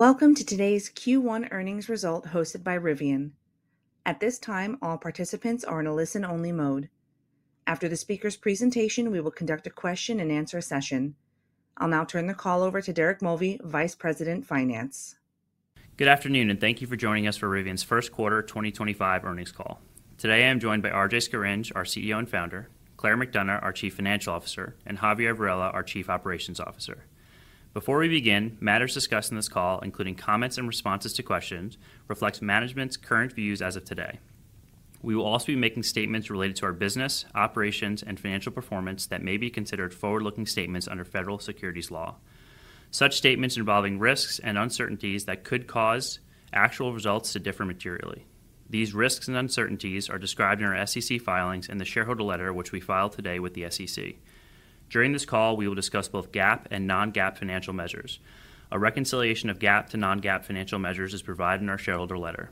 Welcome to today's Q1 earnings result hosted by Rivian. At this time, all participants are in a listen-only mode. After the speaker's presentation, we will conduct a question-and-answer session. I'll now turn the call over to Derek Mulvey, Vice President, Finance. Good afternoon, and thank you for joining us for Rivian's first quarter 2025 earnings call. Today, I am joined by RJ Scaringe, our CEO and founder; Claire McDonough, our chief financial officer; and Javier Varela, our chief operations officer. Before we begin, matters discussed in this call, including comments and responses to questions, reflect management's current views as of today. We will also be making statements related to our business, operations, and financial performance that may be considered forward-looking statements under federal securities law. Such statements involve risks and uncertainties that could cause actual results to differ materially. These risks and uncertainties are described in our SEC filings and the shareholder letter which we filed today with the SEC. During this call, we will discuss both GAAP and non-GAAP financial measures. A reconciliation of GAAP to non-GAAP financial measures is provided in our shareholder letter.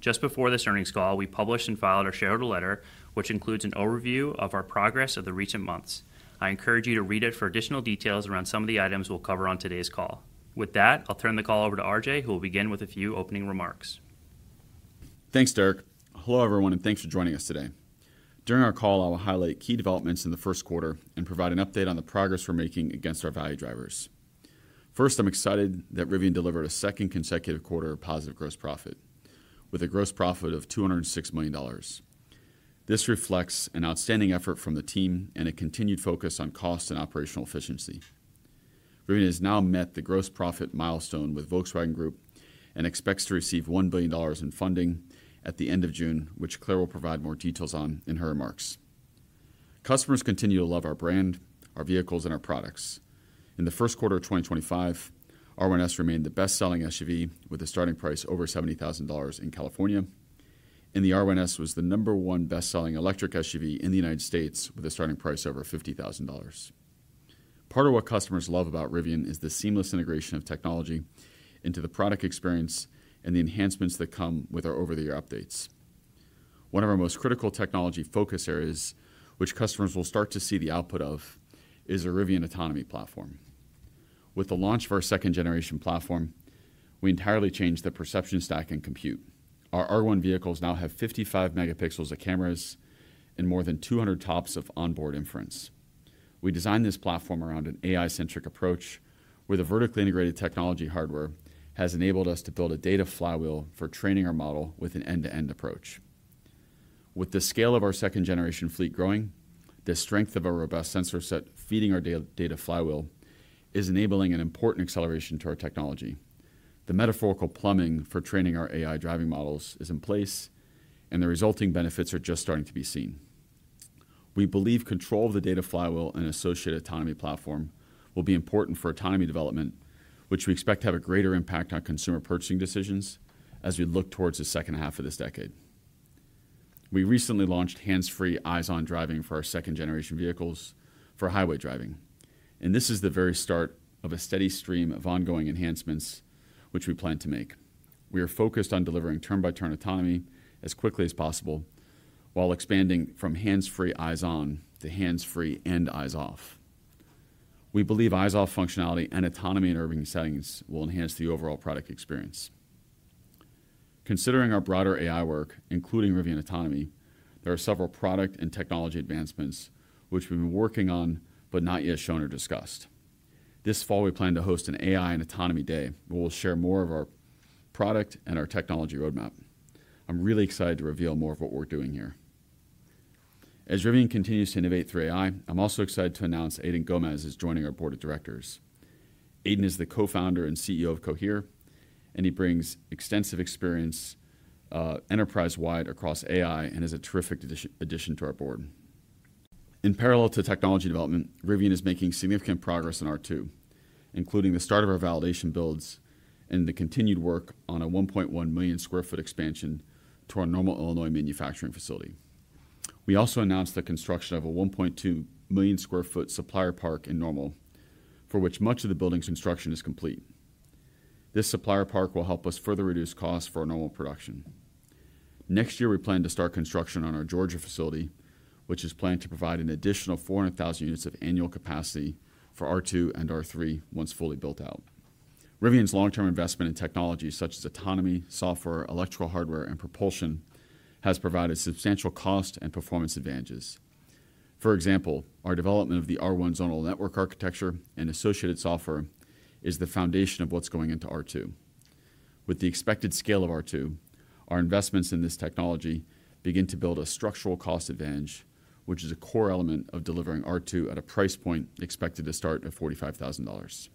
Just before this earnings call, we published and filed our shareholder letter, which includes an overview of our progress of the recent months. I encourage you to read it for additional details around some of the items we'll cover on today's call. With that, I'll turn the call over to RJ, who will begin with a few opening remarks. Thanks, Derek. Hello, everyone, and thanks for joining us today. During our call, I will highlight key developments in the first quarter and provide an update on the progress we're making against our value drivers. First, I'm excited that Rivian delivered a second consecutive quarter of positive gross profit, with a gross profit of $206 million. This reflects an outstanding effort from the team and a continued focus on cost and operational efficiency. Rivian has now met the gross profit milestone with Volkswagen Group and expects to receive $1 billion in funding at the end of June, which Claire will provide more details on in her remarks. Customers continue to love our brand, our vehicles, and our products. In the first quarter of 2025, R1S remained the best-selling SUV, with a starting price over $70,000 in California, and the R1S was the number one best-selling electric SUV in the United States, with a starting price over $50,000. Part of what customers love about Rivian is the seamless integration of technology into the product experience and the enhancements that come with our over-the-air updates. One of our most critical technology focus areas, which customers will start to see the output of, is our Rivian Autonomy Platform. With the launch of our second-generation platform, we entirely changed the perception stack and compute. Our R1 vehicles now have 55 megapixels of cameras and more than 200 TOPS of onboard inference. We designed this platform around an AI-centric approach, where the vertically integrated technology hardware has enabled us to build a data flywheel for training our model with an end-to-end approach. With the scale of our second-generation fleet growing, the strength of our robust sensor set feeding our data flywheel is enabling an important acceleration to our technology. The metaphorical plumbing for training our AI driving models is in place, and the resulting benefits are just starting to be seen. We believe control of the data flywheel and associated autonomy platform will be important for autonomy development, which we expect to have a greater impact on consumer purchasing decisions as we look towards the second half of this decade. We recently launched hands-free eyes-on driving for our second-generation vehicles for highway driving, and this is the very start of a steady stream of ongoing enhancements which we plan to make. We are focused on delivering turn-by-turn autonomy as quickly as possible while expanding from hands-free eyes-on to hands-free and eyes-off. We believe eyes-off functionality and autonomy in urban settings will enhance the overall product experience. Considering our broader AI work, including Rivian Autonomy, there are several product and technology advancements which we've been working on but not yet shown or discussed. This fall, we plan to host an AI and Autonomy Day, where we'll share more of our product and our technology roadmap. I'm really excited to reveal more of what we're doing here. As Rivian continues to innovate through AI, I'm also excited to announce Aidan Gomez is joining our board of directors. Aidan is the co-founder and CEO of Cohere, and he brings extensive experience enterprise-wide across AI and is a terrific addition to our board. In parallel to technology development, Rivian is making significant progress in R2, including the start of our validation builds and the continued work on a 1.1 million sq ft expansion to our Normal, Illinois, manufacturing facility. We also announced the construction of a 1.2 million sq ft supplier park in Normal, for which much of the building's construction is complete. This supplier park will help us further reduce costs for our Normal production. Next year, we plan to start construction on our Georgia facility, which is planned to provide an additional 400,000 units of annual capacity for R2 and R3 once fully built out. Rivian's long-term investment in technologies such as autonomy, software, electrical hardware, and propulsion has provided substantial cost and performance advantages. For example, our development of the R1 zonal network architecture and associated software is the foundation of what's going into R2. With the expected scale of R2, our investments in this technology begin to build a structural cost advantage, which is a core element of delivering R2 at a price point expected to start at $45,000.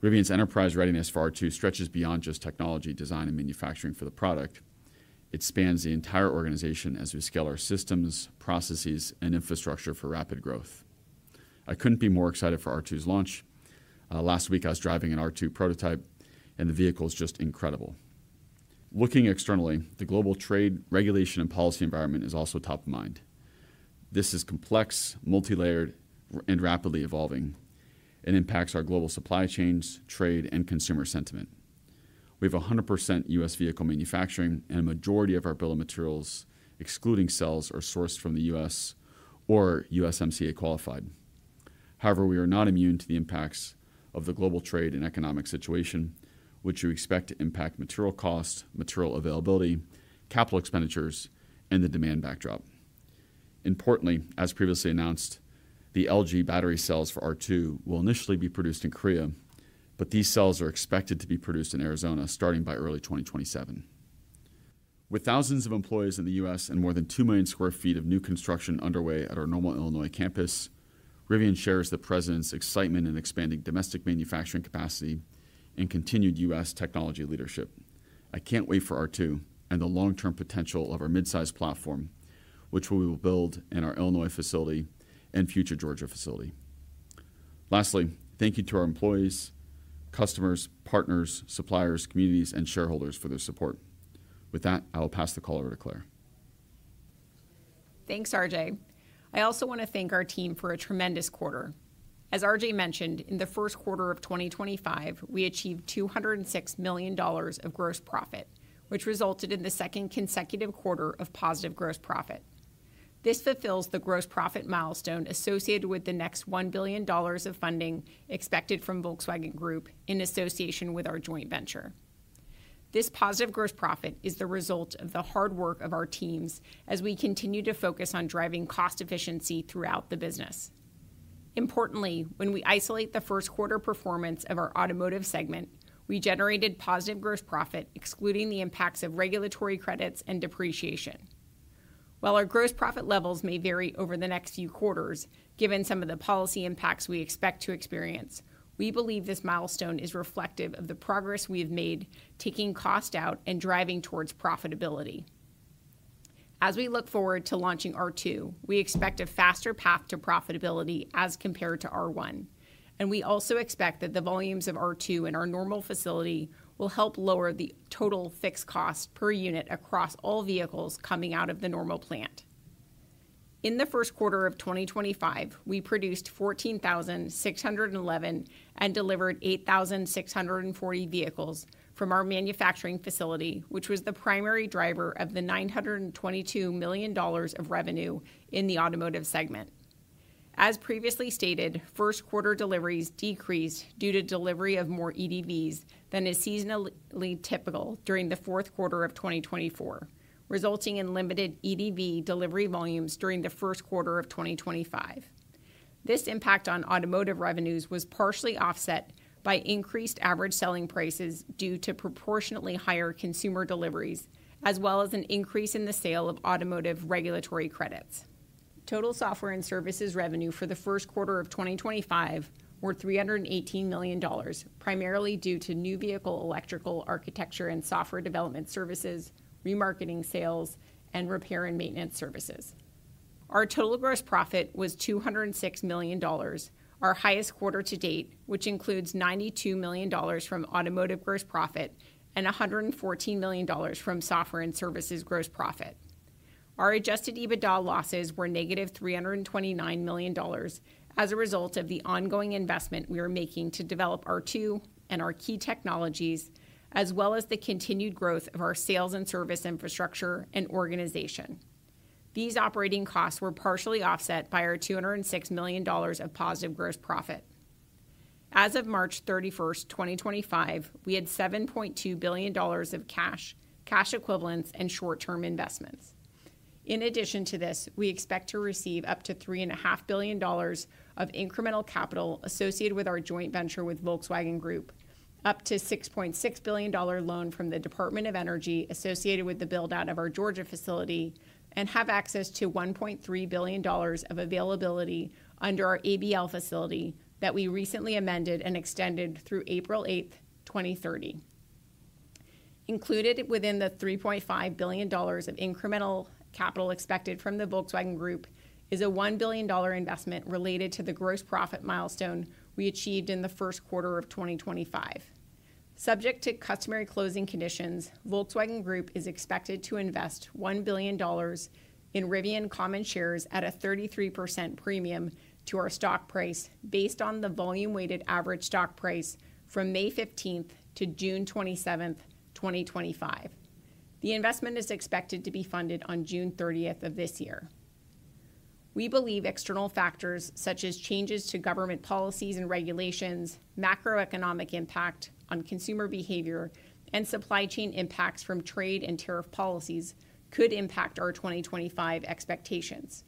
Rivian's enterprise readiness for R2 stretches beyond just technology, design, and manufacturing for the product. It spans the entire organization as we scale our systems, processes, and infrastructure for rapid growth. I couldn't be more excited for R2's launch. Last week, I was driving an R2 prototype, and the vehicle is just incredible. Looking externally, the global trade, regulation, and policy environment is also top of mind. This is complex, multi-layered, and rapidly evolving. It impacts our global supply chains, trade, and consumer sentiment. We have 100% U.S. vehicle manufacturing, and a majority of our bill of materials, excluding cells, are sourced from the U.S. or USMCA qualified. However, we are not immune to the impacts of the global trade and economic situation, which we expect to impact material cost, material availability, capital expenditures, and the demand backdrop. Importantly, as previously announced, the LG battery cells for R2 will initially be produced in Korea, but these cells are expected to be produced in Arizona starting by early 2027. With thousands of employees in the U.S. and more than 2 million sq ft of new construction underway at our Normal, Illinois, campus, Rivian shares the president's excitement in expanding domestic manufacturing capacity and continued U.S. technology leadership. I can't wait for R2 and the long-term potential of our mid-size platform, which we will build in our Illinois facility and future Georgia facility. Lastly, thank you to our employees, customers, partners, suppliers, communities, and shareholders for their support. With that, I will pass the call over to Claire. Thanks, RJ. I also want to thank our team for a tremendous quarter. As RJ mentioned, in the first quarter of 2025, we achieved $206 million of gross profit, which resulted in the second consecutive quarter of positive gross profit. This fulfills the gross profit milestone associated with the next $1 billion of funding expected from Volkswagen Group in association with our joint venture. This positive gross profit is the result of the hard work of our teams as we continue to focus on driving cost efficiency throughout the business. Importantly, when we isolate the first quarter performance of our automotive segment, we generated positive gross profit, excluding the impacts of regulatory credits and depreciation. While our gross profit levels may vary over the next few quarters, given some of the policy impacts we expect to experience, we believe this milestone is reflective of the progress we have made, taking cost out and driving towards profitability. As we look forward to launching R2, we expect a faster path to profitability as compared to R1, and we also expect that the volumes of R2 in our Normal facility will help lower the total fixed cost per unit across all vehicles coming out of the Normal plant. In the first quarter of 2025, we produced 14,611 and delivered 8,640 vehicles from our manufacturing facility, which was the primary driver of the $922 million of revenue in the automotive segment. As previously stated, first quarter deliveries decreased due to delivery of more EDVs than is seasonally typical during the fourth quarter of 2024, resulting in limited EDV delivery volumes during the first quarter of 2025. This impact on automotive revenues was partially offset by increased average selling prices due to proportionately higher consumer deliveries, as well as an increase in the sale of automotive regulatory credits. Total software and services revenue for the first quarter of 2025 were $318 million, primarily due to new vehicle electrical architecture and software development services, remarketing sales, and repair and maintenance services. Our total gross profit was $206 million, our highest quarter to date, which includes $92 million from automotive gross profit and $114 million from software and services gross profit. Our Adjusted EBITDA losses were -$329 million as a result of the ongoing investment we are making to develop R2 and our key technologies, as well as the continued growth of our sales and service infrastructure and organization. These operating costs were partially offset by our $206 million of positive gross profit. As of March 31, 2025, we had $7.2 billion of cash, cash equivalents, and short-term investments. In addition to this, we expect to receive up to $3.5 billion of incremental capital associated with our joint venture with Volkswagen Group, up to a $6.6 billion loan from the Department of Energy associated with the build-out of our Georgia facility, and have access to $1.3 billion of availability under our ABL facility that we recently amended and extended through April 8, 2030. Included within the $3.5 billion of incremental capital expected from the Volkswagen Group is a $1 billion investment related to the gross profit milestone we achieved in the first quarter of 2025. Subject to customary closing conditions, Volkswagen Group is expected to invest $1 billion in Rivian Common Shares at a 33% premium to our stock price based on the volume-weighted average stock price from May 15 to June 27, 2025. The investment is expected to be funded on June 30 of this year. We believe external factors such as changes to government policies and regulations, macroeconomic impact on consumer behavior, and supply chain impacts from trade and tariff policies could impact our 2025 expectations.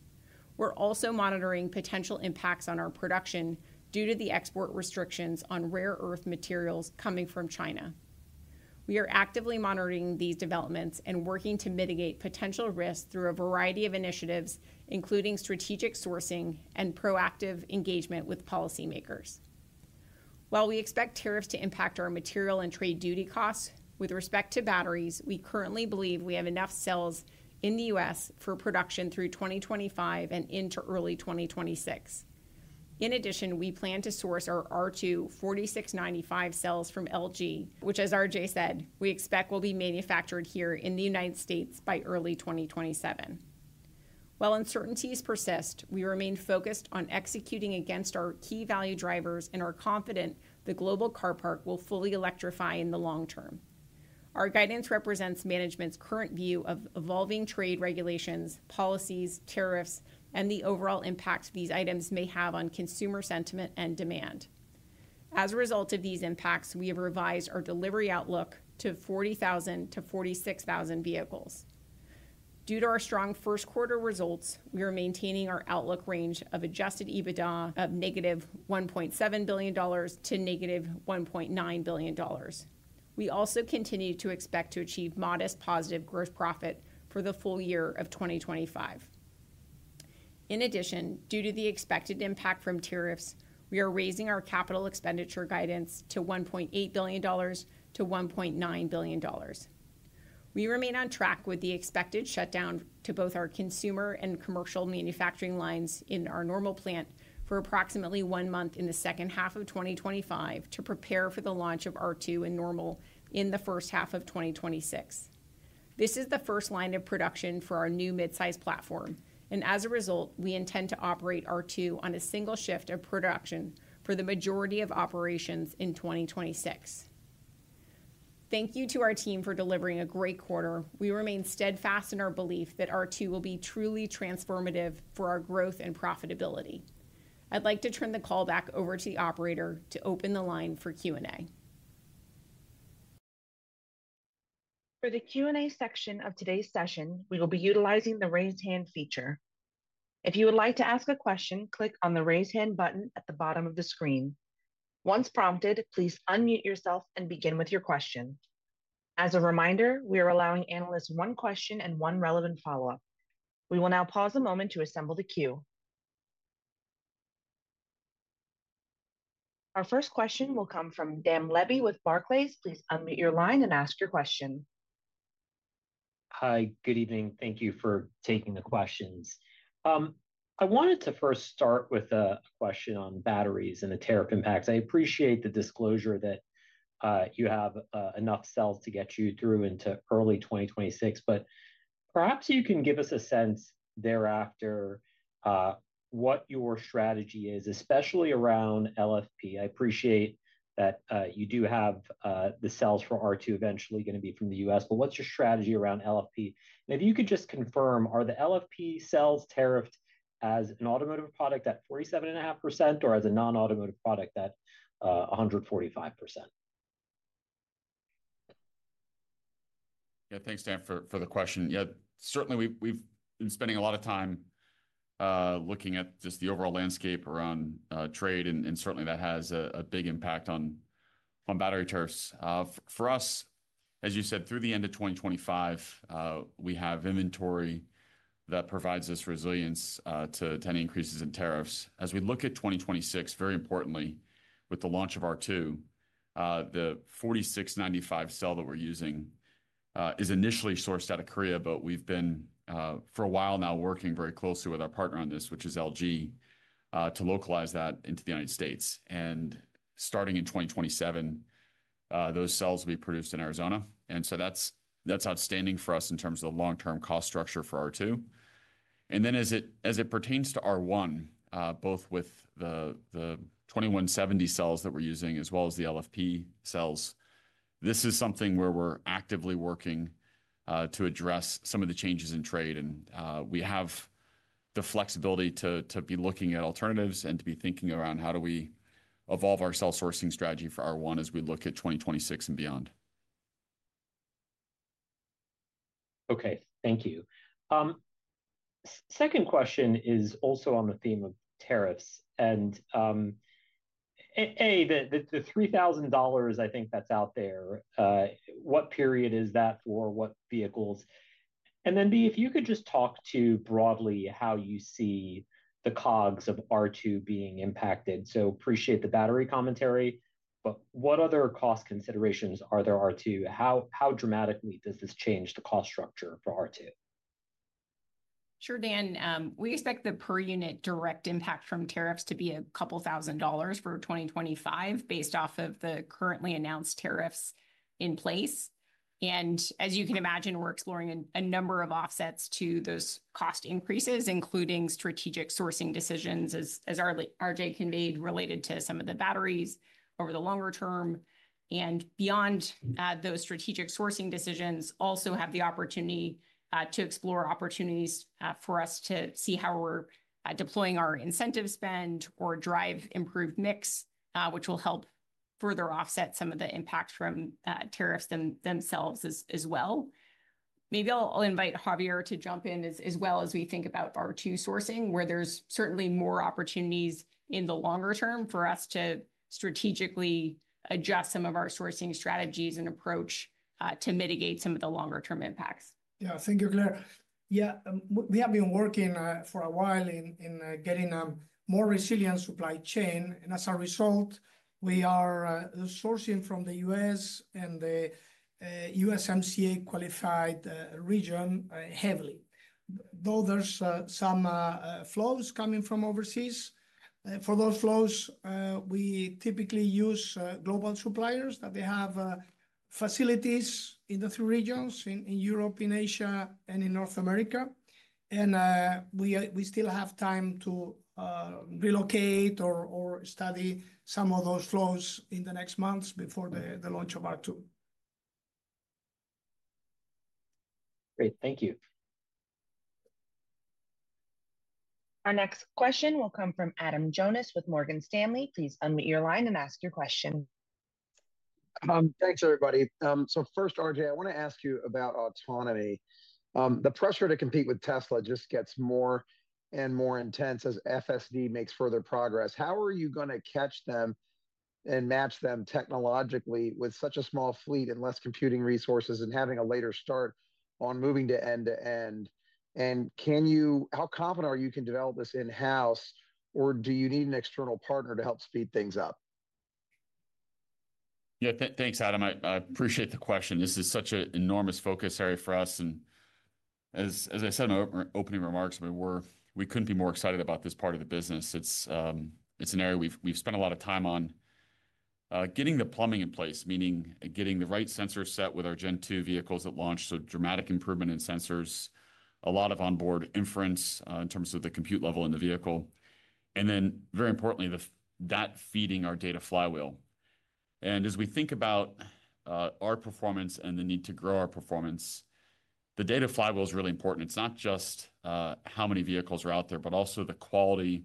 We are also monitoring potential impacts on our production due to the export restrictions on rare earth materials coming from China. We are actively monitoring these developments and working to mitigate potential risks through a variety of initiatives, including strategic sourcing and proactive engagement with policymakers. While we expect tariffs to impact our material and trade duty costs, with respect to batteries, we currently believe we have enough cells in the U.S. for production through 2025 and into early 2026. In addition, we plan to source our R2 4695 cells from LG, which, as RJ said, we expect will be manufactured here in the United States by early 2027. While uncertainties persist, we remain focused on executing against our key value drivers and are confident the global car park will fully electrify in the long term. Our guidance represents management's current view of evolving trade regulations, policies, tariffs, and the overall impacts these items may have on consumer sentiment and demand. As a result of these impacts, we have revised our delivery outlook to 40,000-46,000 vehicles. Due to our strong first quarter results, we are maintaining our outlook range of Adjusted EBITDA of -$1.7 billion to -$1.9 billion. We also continue to expect to achieve modest positive gross profit for the full year of 2025. In addition, due to the expected impact from tariffs, we are raising our capital expenditure guidance to $1.8 billion-$1.9 billion. We remain on track with the expected shutdown to both our consumer and commercial manufacturing lines in our Normal plant for approximately one month in the second half of 2025 to prepare for the launch of R2 and Normal in the first half of 2026. This is the first line of production for our new mid-size platform, and as a result, we intend to operate R2 on a single shift of production for the majority of operations in 2026. Thank you to our team for delivering a great quarter. We remain steadfast in our belief that R2 will be truly transformative for our growth and profitability. I'd like to turn the call back over to the operator to open the line for Q&A. For the Q&A section of today's session, we will be utilizing the raise hand feature. If you would like to ask a question, click on the raise hand button at the bottom of the screen. Once prompted, please unmute yourself and begin with your question. As a reminder, we are allowing analysts one question and one relevant follow-up. We will now pause a moment to assemble the queue. Our first question will come from Dan Levy with Barclays. Please unmute your line and ask your question. Hi, good evening. Thank you for taking the questions. I wanted to first start with a question on batteries and the tariff impacts. I appreciate the disclosure that you have enough cells to get you through into early 2026, but perhaps you can give us a sense thereafter what your strategy is, especially around LFP. I appreciate that you do have the cells for R2 eventually going to be from the U.S., but what's your strategy around LFP? If you could just confirm, are the LFP cells tariffed as an automotive product at 47.5% or as a non-automotive product at 145%? Yeah, thanks, Dan, for the question. Yeah, certainly we've been spending a lot of time looking at just the overall landscape around trade, and certainly that has a big impact on battery tariffs. For us, as you said, through the end of 2025, we have inventory that provides us resilience to any increases in tariffs. As we look at 2026, very importantly, with the launch of R2, the 4695 cell that we're using is initially sourced out of Korea, but we've been for a while now working very closely with our partner on this, which is LG, to localize that into the United States. Starting in 2027, those cells will be produced in Arizona. That is outstanding for us in terms of the long-term cost structure for R2. As it pertains to R1, both with the 2170 cells that we're using as well as the LFP cells, this is something where we're actively working to address some of the changes in trade, and we have the flexibility to be looking at alternatives and to be thinking around how do we evolve our cell sourcing strategy for R1 as we look at 2026 and beyond. Okay, thank you. Second question is also on the theme of tariffs. A, the $3,000 I think that's out there, what period is that for, what vehicles? B, if you could just talk too broadly how you see the COGS of R2 being impacted. Appreciate the battery commentary, but what other cost considerations are there R2? How dramatically does this change the cost structure for R2? Sure, Dan. We expect the per unit direct impact from tariffs to be a couple thousand dollars for 2025 based off of the currently announced tariffs in place. As you can imagine, we're exploring a number of offsets to those cost increases, including strategic sourcing decisions, as RJ conveyed related to some of the batteries over the longer term. Beyond those strategic sourcing decisions, we also have the opportunity to explore opportunities for us to see how we're deploying our incentive spend or drive improved mix, which will help further offset some of the impacts from tariffs themselves as well. Maybe I'll invite Javier to jump in as well as we think about R2 sourcing, where there's certainly more opportunities in the longer term for us to strategically adjust some of our sourcing strategies and approach to mitigate some of the longer-term impacts. Yeah, thank you, Claire. Yeah, we have been working for a while in getting a more resilient supply chain, and as a result, we are sourcing from the U.S. and the USMCA qualified region heavily. Though there's some flows coming from overseas, for those flows, we typically use global suppliers that they have facilities in the three regions: in Europe, in Asia, and in North America. We still have time to relocate or study some of those flows in the next months before the launch of R2. Great, thank you. Our next question will come from Adam Jonas with Morgan Stanley. Please unmute your line and ask your question. Thanks, everybody. First, RJ, I want to ask you about autonomy. The pressure to compete with Tesla just gets more and more intense as FSD makes further progress. How are you going to catch them and match them technologically with such a small fleet and less computing resources and having a later start on moving to end-to-end? How confident are you you can develop this in-house, or do you need an external partner to help speed things up? Yeah, thanks, Adam. I appreciate the question. This is such an enormous focus area for us. As I said in my opening remarks, we couldn't be more excited about this part of the business. It's an area we've spent a lot of time on getting the plumbing in place, meaning getting the right sensors set with our Gen 2 vehicles that launched a dramatic improvement in sensors, a lot of onboard inference in terms of the compute level in the vehicle, and then, very importantly, that feeding our data flywheel. As we think about our performance and the need to grow our performance, the data flywheel is really important. It's not just how many vehicles are out there, but also the quality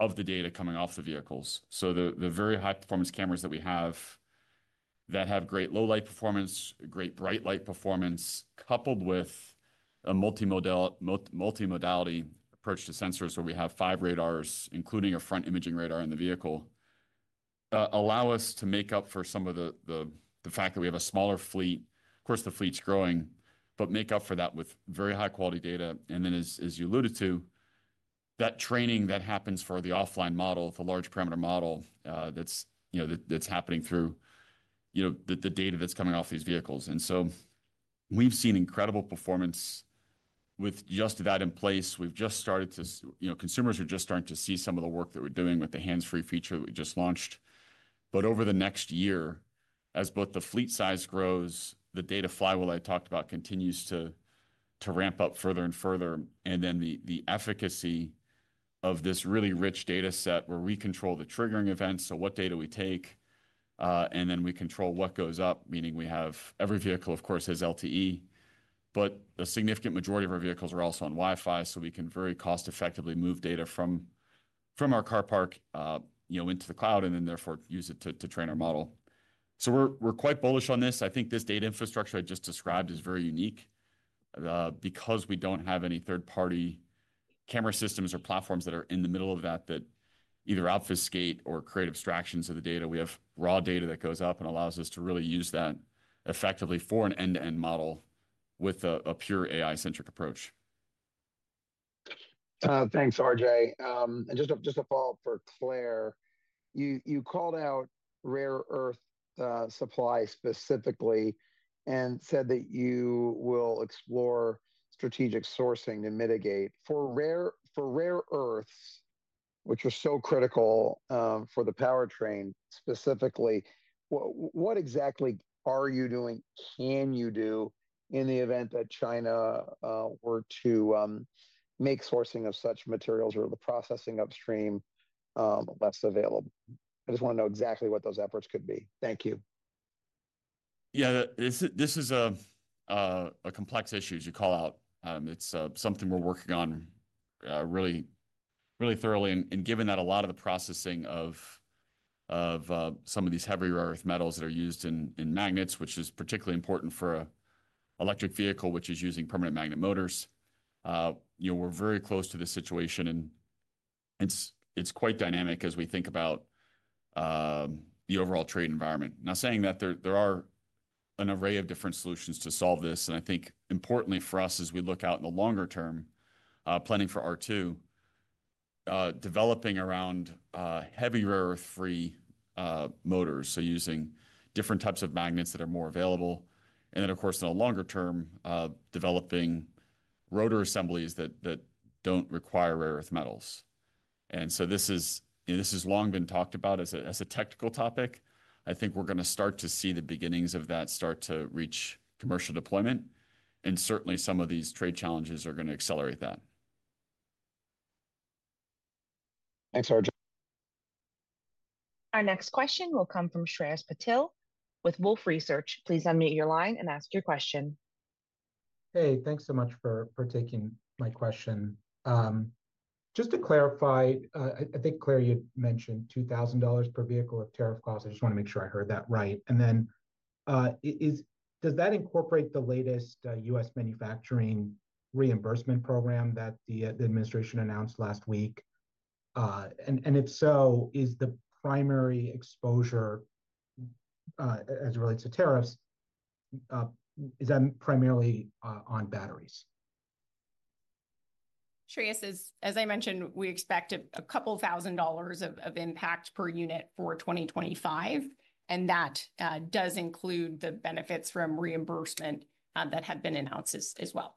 of the data coming off the vehicles. The very high-performance cameras that we have that have great low-light performance, great bright-light performance, coupled with a multimodality approach to sensors where we have five radars, including a front imaging radar in the vehicle, allow us to make up for some of the fact that we have a smaller fleet. Of course, the fleet's growing, but make up for that with very high-quality data. As you alluded to, that training that happens for the offline model, the large parameter model that's happening through the data that's coming off these vehicles. We have seen incredible performance with just that in place. We have just started to—consumers are just starting to see some of the work that we're doing with the hands-free feature that we just launched. Over the next year, as both the fleet size grows, the data flywheel I talked about continues to ramp up further and further. The efficacy of this really rich data set where we control the triggering events, so what data we take, and then we control what goes up, meaning we have—every vehicle, of course, has LTE, but a significant majority of our vehicles are also on Wi-Fi, so we can very cost-effectively move data from our car park into the cloud and then, therefore, use it to train our model. We are quite bullish on this. I think this data infrastructure I just described is very unique because we do not have any third-party camera systems or platforms that are in the middle of that that either obfuscate or create abstractions of the data. We have raw data that goes up and allows us to really use that effectively for an end-to-end model with a pure AI-centric approach. Thanks, RJ. Just a follow-up for Claire. You called out rare earth supply specifically and said that you will explore strategic sourcing to mitigate. For rare earths, which are so critical for the powertrain specifically, what exactly are you doing, can you do in the event that China were to make sourcing of such materials or the processing upstream less available? I just want to know exactly what those efforts could be. Thank you. Yeah, this is a complex issue, as you call out. It's something we're working on really thoroughly. And given that a lot of the processing of some of these heavier earth metals that are used in magnets, which is particularly important for an electric vehicle which is using permanent magnet motors, we're very close to this situation, and it's quite dynamic as we think about the overall trade environment. Now, saying that, there are an array of different solutions to solve this. I think, importantly for us, as we look out in the longer term, planning for R2, developing around heavier earth-free motors, so using different types of magnets that are more available. Then, of course, in the longer term, developing rotor assemblies that don't require rare earth metals. This has long been talked about as a technical topic. I think we're going to start to see the beginnings of that start to reach commercial deployment. Certainly, some of these trade challenges are going to accelerate that. Thanks, RJ. Our next question will come from Shreyas Patil with Wolfe Research. Please unmute your line and ask your question. Hey, thanks so much for taking my question. Just to clarify, I think, Claire, you'd mentioned $2,000 per vehicle of tariff costs. I just want to make sure I heard that right. Does that incorporate the latest U.S. manufacturing reimbursement program that the administration announced last week? If so, is the primary exposure as it relates to tariffs, is that primarily on batteries? Shreyas, as I mentioned, we expect a couple thousand dollars of impact per unit for 2025, and that does include the benefits from reimbursement that have been announced as well.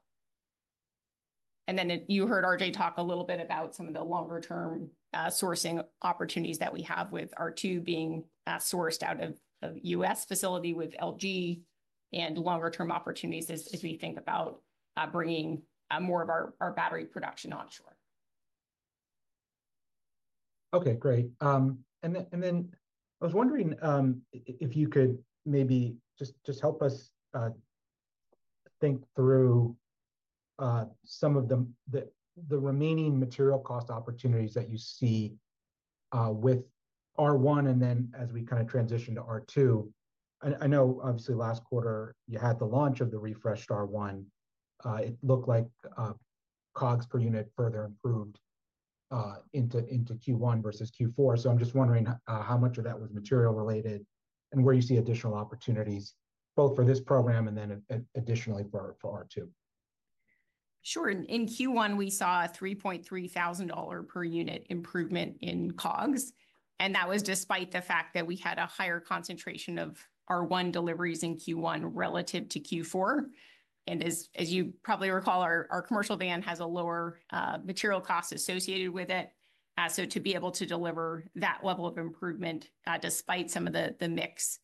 You heard RJ talk a little bit about some of the longer-term sourcing opportunities that we have with R2 being sourced out of U.S. facility with LG and longer-term opportunities as we think about bringing more of our battery production onshore. Okay, great. I was wondering if you could maybe just help us think through some of the remaining material cost opportunities that you see with R1 and then as we kind of transition to R2. I know, obviously, last quarter, you had the launch of the refreshed R1. It looked like COGS per unit further improved into Q1 versus Q4. I'm just wondering how much of that was material-related and where you see additional opportunities, both for this program and then additionally for R2. Sure. In Q1, we saw a $3,300 per unit improvement in COGS. That was despite the fact that we had a higher concentration of R1 deliveries in Q1 relative to Q4. As you probably recall, our commercial van has a lower material cost associated with it. To be able to deliver that level of improvement despite some of the mix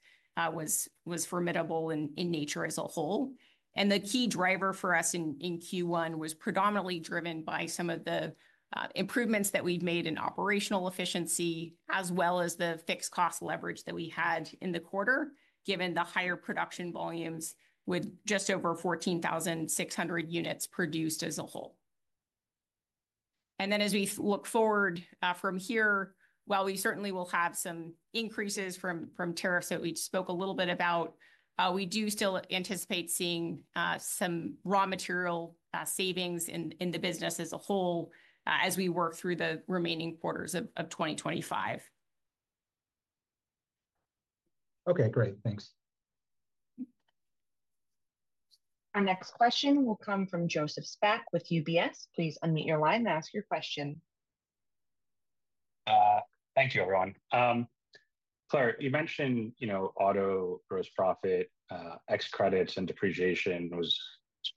was formidable in nature as a whole. The key driver for us in Q1 was predominantly driven by some of the improvements that we've made in operational efficiency as well as the fixed cost leverage that we had in the quarter, given the higher production volumes with just over 14,600 units produced as a whole. As we look forward from here, while we certainly will have some increases from tariffs that we spoke a little bit about, we do still anticipate seeing some raw material savings in the business as a whole as we work through the remaining quarters of 2025. Okay, great. Thanks. Our next question will come from Joseph Spak with UBS. Please unmute your line and ask your question. Thank you, everyone. Claire, you mentioned auto gross profit, ex credits, and depreciation was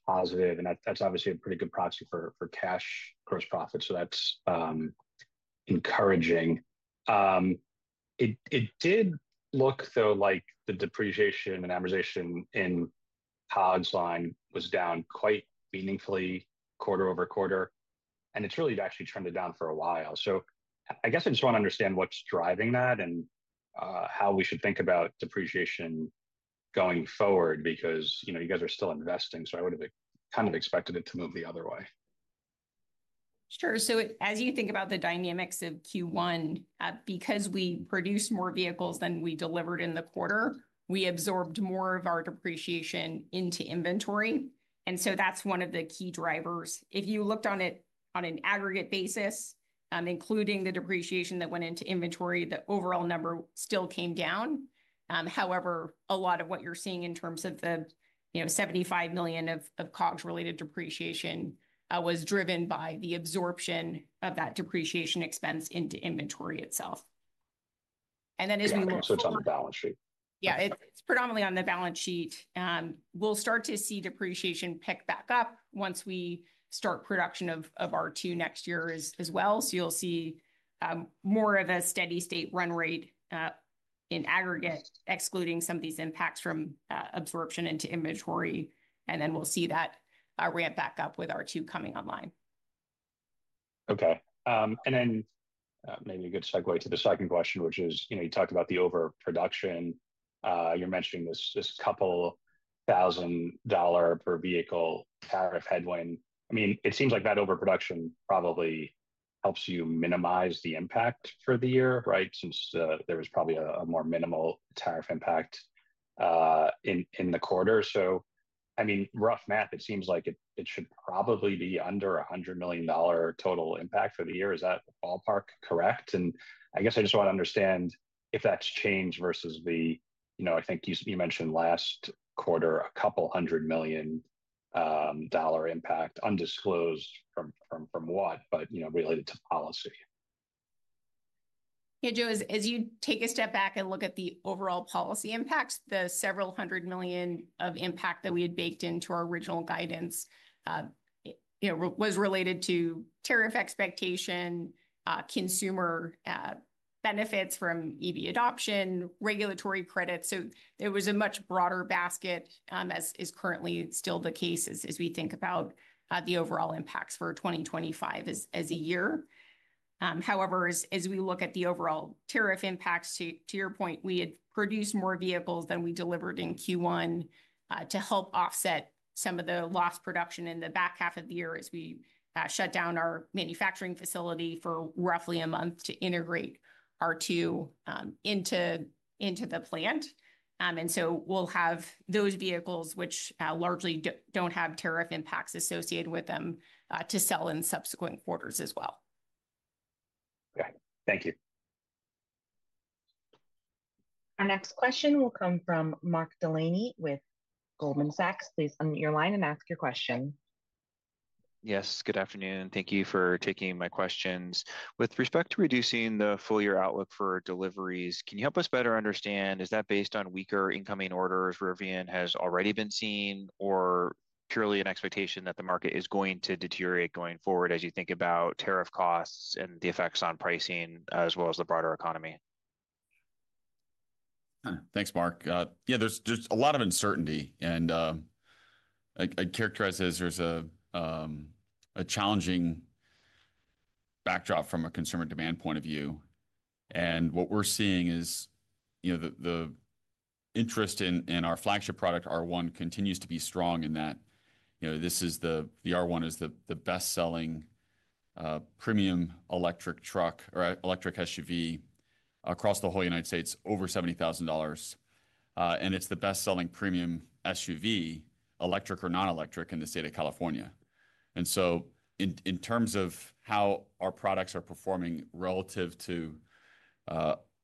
positive. That is obviously a pretty good proxy for cash gross profit. That is encouraging. It did look, though, like the depreciation and amortization in COGS line was down quite meaningfully quarter over quarter. It has really actually trended down for a while. I just want to understand what is driving that and how we should think about depreciation going forward because you guys are still investing. I would have kind of expected it to move the other way. Sure. As you think about the dynamics of Q1, because we produce more vehicles than we delivered in the quarter, we absorbed more of our depreciation into inventory. That is one of the key drivers. If you looked on it on an aggregate basis, including the depreciation that went into inventory, the overall number still came down. However, a lot of what you're seeing in terms of the $75 million of COGS-related depreciation was driven by the absorption of that depreciation expense into inventory itself. As we look at. It's on the balance sheet? Yeah, it's predominantly on the balance sheet. We'll start to see depreciation pick back up once we start production of R2 next year as well. You will see more of a steady-state run rate in aggregate, excluding some of these impacts from absorption into inventory. We will see that ramp back up with R2 coming online. Okay. Maybe a good segue to the second question, which is you talked about the overproduction. You're mentioning this couple thousand dollar per vehicle tariff headwind. I mean, it seems like that overproduction probably helps you minimize the impact for the year, right, since there was probably a more minimal tariff impact in the quarter. I mean, rough math, it seems like it should probably be under $100 million total impact for the year. Is that ballpark correct? I guess I just want to understand if that's changed versus the, I think you mentioned last quarter, a couple hundred million dollar impact undisclosed from what, but related to policy. Yeah, Joe, as you take a step back and look at the overall policy impacts, the several hundred million of impact that we had baked into our original guidance was related to tariff expectation, consumer benefits from EV adoption, regulatory credits. There was a much broader basket, as is currently still the case as we think about the overall impacts for 2025 as a year. However, as we look at the overall tariff impacts, to your point, we had produced more vehicles than we delivered in Q1 to help offset some of the lost production in the back half of the year as we shut down our manufacturing facility for roughly a month to integrate R2 into the plant. We will have those vehicles, which largely do not have tariff impacts associated with them, to sell in subsequent quarters as well. Okay. Thank you. Our next question will come from Mark Delaney with Goldman Sachs. Please unmute your line and ask your question. Yes, good afternoon. Thank you for taking my questions. With respect to reducing the full year outlook for deliveries, can you help us better understand, is that based on weaker incoming orders Rivian has already been seeing or purely an expectation that the market is going to deteriorate going forward as you think about tariff costs and the effects on pricing as well as the broader economy? Thanks, Mark. Yeah, there's a lot of uncertainty. I'd characterize it as there's a challenging backdrop from a consumer demand point of view. What we're seeing is the interest in our flagship product, R1, continues to be strong in that this is the R1 is the best-selling premium electric truck or electric SUV across the whole United States, over $70,000. It's the best-selling premium SUV, electric or non-electric, in the state of California. In terms of how our products are performing relative to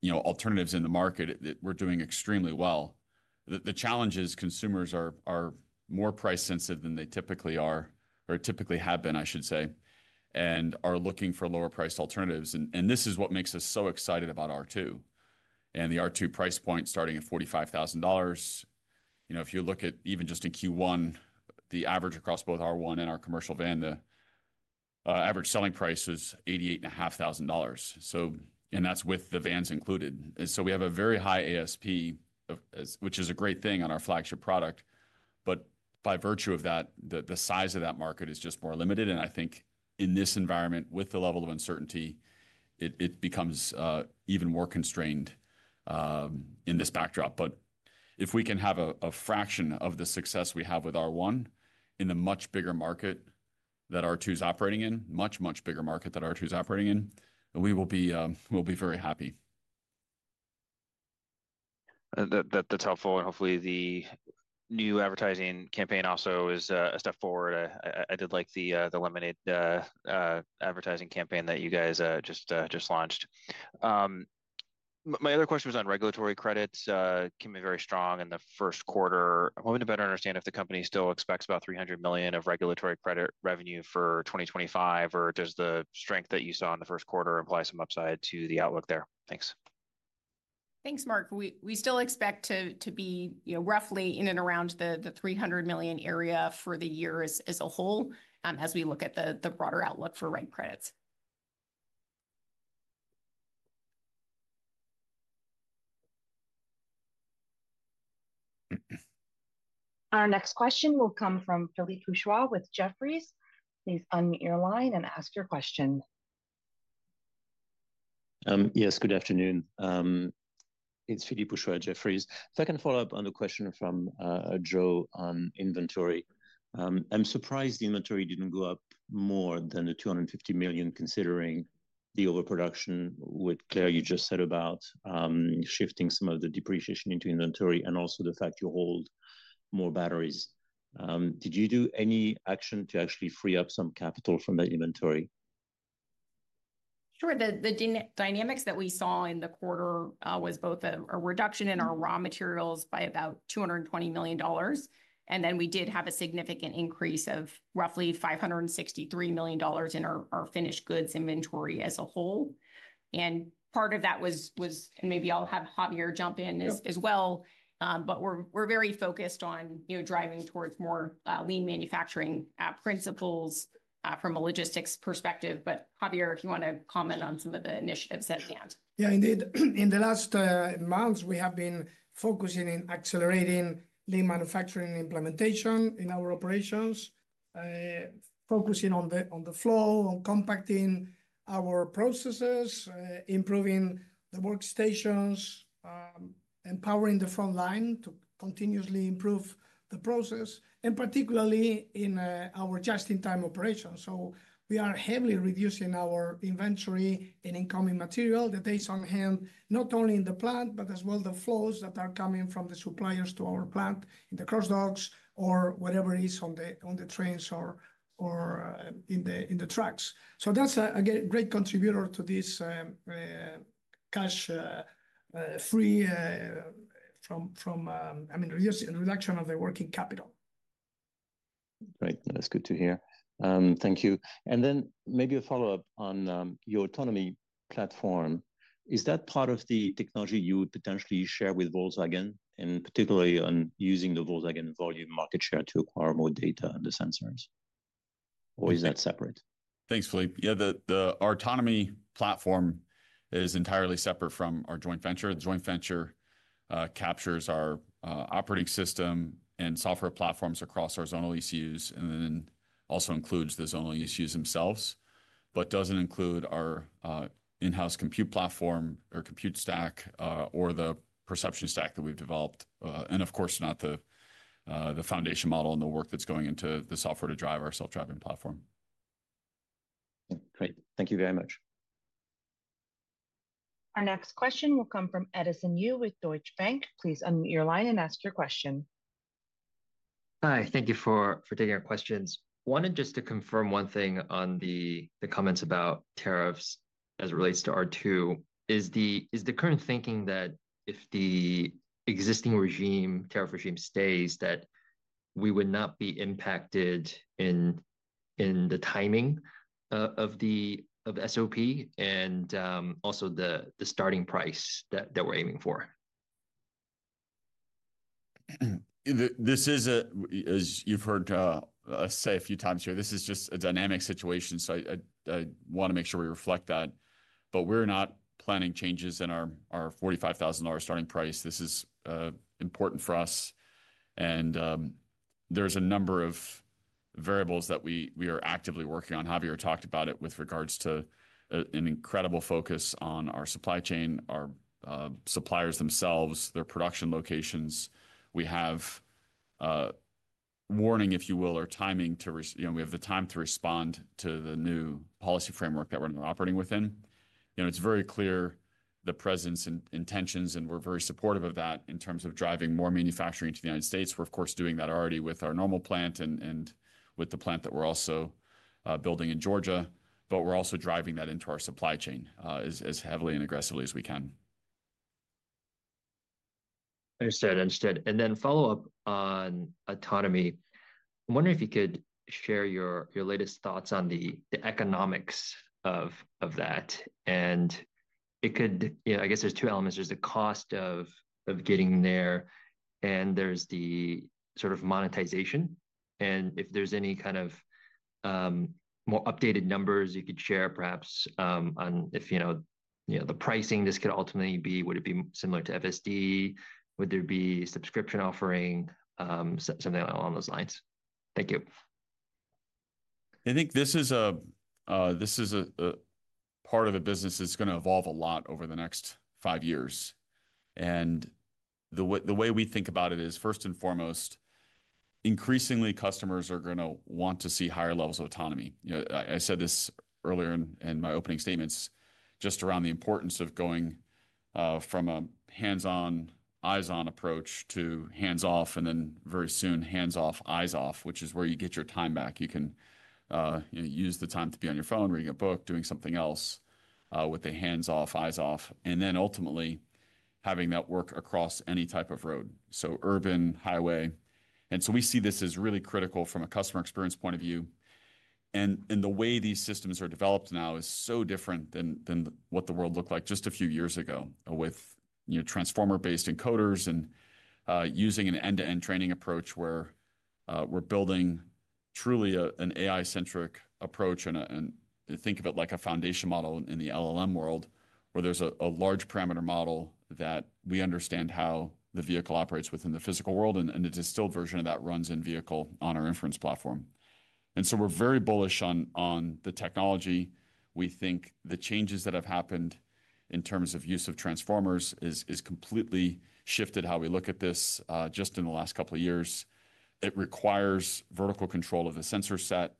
alternatives in the market, we're doing extremely well. The challenge is consumers are more price-sensitive than they typically are or typically have been, I should say, and are looking for lower-priced alternatives. This is what makes us so excited about R2. The R2 price point starting at $45,000. If you look at even just in Q1, the average across both R1 and our commercial van, the average selling price was $88,500. That is with the vans included. We have a very high ASP, which is a great thing on our flagship product. By virtue of that, the size of that market is just more limited. I think in this environment, with the level of uncertainty, it becomes even more constrained in this backdrop. If we can have a fraction of the success we have with R1 in the much bigger market that R2 is operating in, much, much bigger market that R2 is operating in, we will be very happy. That's helpful. Hopefully, the new advertising campaign also is a step forward. I did like the lemonade advertising campaign that you guys just launched. My other question was on regulatory credits, which can be very strong in the first quarter. I wanted to better understand if the company still expects about $300 million of regulatory credit revenue for 2025, or does the strength that you saw in the first quarter imply some upside to the outlook there? Thanks. Thanks, Mark. We still expect to be roughly in and around the $300 million area for the year as a whole as we look at the broader outlook for rent credits. Our next question will come from Philippe Houchois with Jefferies. Please unmute your line and ask your question. Yes, good afternoon. It's Philippe Houchois at Jefferies. I can follow up on the question from Joe on inventory. I'm surprised the inventory didn't go up more than the $250 million considering the overproduction with Claire you just said about shifting some of the depreciation into inventory and also the fact you hold more batteries. Did you do any action to actually free up some capital from that inventory? Sure. The dynamics that we saw in the quarter was both a reduction in our raw materials by about $220 million. We did have a significant increase of roughly $563 million in our finished goods inventory as a whole. Part of that was, and maybe I'll have Javier jump in as well, but we're very focused on driving towards more lean manufacturing principles from a logistics perspective. Javier, if you want to comment on some of the initiatives at hand. Yeah, indeed. In the last months, we have been focusing in accelerating lean manufacturing implementation in our operations, focusing on the flow, on compacting our processes, improving the workstations, empowering the front line to continuously improve the process, and particularly in our just-in-time operations. We are heavily reducing our inventory in incoming material that is on hand, not only in the plant, but as well the flows that are coming from the suppliers to our plant in the cross docks or whatever is on the trains or in the trucks. That's a great contributor to this cash-free from, I mean, reduction of the working capital. Great. That's good to hear. Thank you. Maybe a follow-up on your autonomy platform. Is that part of the technology you would potentially share with Volkswagen, and particularly on using the Volkswagen Volume Market Share to acquire more data on the sensors? Or is that separate? Thanks, Philippe. Yeah, the autonomy platform is entirely separate from our joint venture. The joint venture captures our operating system and software platforms across our zonal ECUs and then also includes the zonal ECUs themselves, but does not include our in-house compute platform or compute stack or the perception stack that we have developed. Of course, not the foundation model and the work that is going into the software to drive our self-driving platform. Great. Thank you very much. Our next question will come from Edison Yu with Deutsche Bank. Please unmute your line and ask your question. Hi. Thank you for taking our questions. I wanted just to confirm one thing on the comments about tariffs as it relates to R2. Is the current thinking that if the existing tariff regime stays, that we would not be impacted in the timing of SOP and also the starting price that we're aiming for? This is, as you've heard us say a few times here, this is just a dynamic situation. I want to make sure we reflect that. We're not planning changes in our $45,000 starting price. This is important for us. There's a number of variables that we are actively working on. Javier talked about it with regards to an incredible focus on our supply chain, our suppliers themselves, their production locations. We have warning, if you will, or timing to we have the time to respond to the new policy framework that we're now operating within. It's very clear the presence and intentions, and we're very supportive of that in terms of driving more manufacturing to the United States. We're, of course, doing that already with our Normal plant and with the plant that we're also building in Georgia. We're also driving that into our supply chain as heavily and aggressively as we can. Understood. Understood. Follow-up on autonomy. I'm wondering if you could share your latest thoughts on the economics of that. I guess there's two elements. There's the cost of getting there, and there's the sort of monetization. If there's any kind of more updated numbers you could share, perhaps on if the pricing this could ultimately be, would it be similar to FSD? Would there be subscription offering, something along those lines? Thank you. I think this is a part of a business that's going to evolve a lot over the next five years. The way we think about it is, first and foremost, increasingly customers are going to want to see higher levels of autonomy. I said this earlier in my opening statements just around the importance of going from a hands-on, eyes-on approach to hands-off and then very soon hands-off, eyes-off, which is where you get your time back. You can use the time to be on your phone, reading a book, doing something else with the hands-off, eyes-off, and then ultimately having that work across any type of road, so urban, highway. We see this as really critical from a customer experience point of view. The way these systems are developed now is so different than what the world looked like just a few years ago with transformer-based encoders and using an end-to-end training approach where we're building truly an AI-centric approach. Think of it like a foundation model in the LLM world where there's a large parameter model that we understand how the vehicle operates within the physical world, and the distilled version of that runs in vehicle on our inference platform. We are very bullish on the technology. We think the changes that have happened in terms of use of transformers have completely shifted how we look at this just in the last couple of years. It requires vertical control of the sensor set,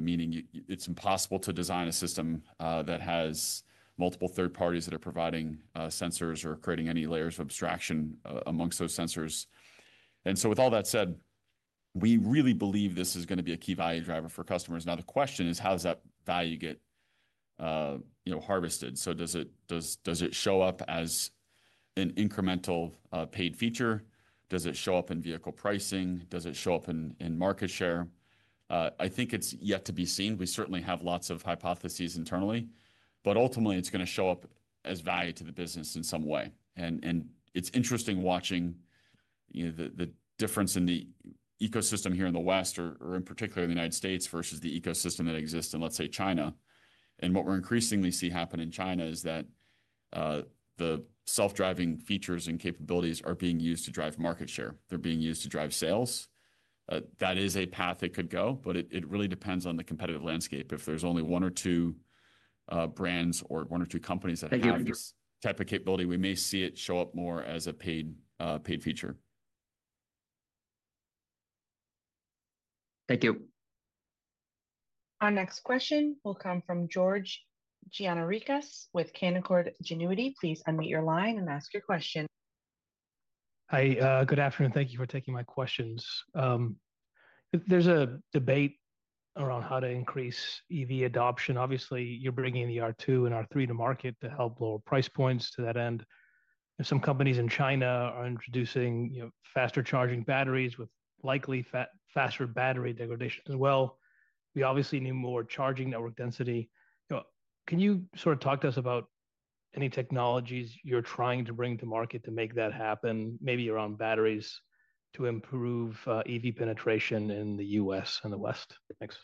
meaning it's impossible to design a system that has multiple third parties that are providing sensors or creating any layers of abstraction amongst those sensors. With all that said, we really believe this is going to be a key value driver for customers. The question is, how does that value get harvested? Does it show up as an incremental paid feature? Does it show up in vehicle pricing? Does it show up in market share? I think it's yet to be seen. We certainly have lots of hypotheses internally. Ultimately, it's going to show up as value to the business in some way. It's interesting watching the difference in the ecosystem here in the West, or in particular in the United States versus the ecosystem that exists in, let's say, China. What we're increasingly seeing happen in China is that the self-driving features and capabilities are being used to drive market share. They're being used to drive sales. That is a path it could go, but it really depends on the competitive landscape. If there's only one or two brands or one or two companies that have that type of capability, we may see it show up more as a paid feature. Thank you. Our next question will come from George Gianarikas with Canaccord Genuity. Please unmute your line and ask your question. Hi. Good afternoon. Thank you for taking my questions. There's a debate around how to increase EV adoption. Obviously, you're bringing the R2 and R3 to market to help lower price points to that end. Some companies in China are introducing faster charging batteries with likely faster battery degradation as well. We obviously need more charging network density. Can you sort of talk to us about any technologies you're trying to bring to market to make that happen, maybe around batteries to improve EV penetration in the U.S. and the West? Thanks.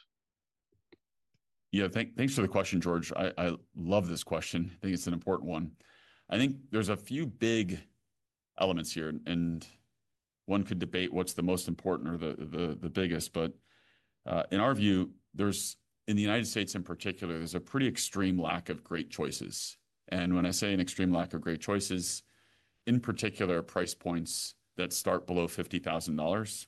Yeah. Thanks for the question, George. I love this question. I think it's an important one. I think there's a few big elements here, and one could debate what's the most important or the biggest. In our view, in the United States in particular, there's a pretty extreme lack of great choices. When I say an extreme lack of great choices, in particular, price points that start below $50,000.